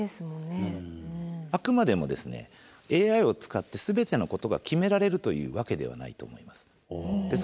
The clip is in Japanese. あくまでもＡＩを使って全てのことが決められるというわけではないと思います。